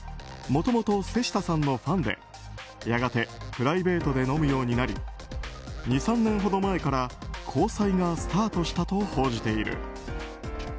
もともと瀬下さんのファンでやがてプライベートで飲むようになり２３年ほど前から交際がスタートしたと報じている。